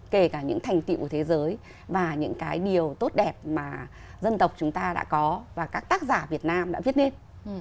kể cả những thành tựu thế giới và những cái điều tốt đẹp mà dân tộc chúng ta đã có và các tác giả việt nam đã viết lên